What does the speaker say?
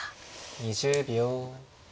２０秒。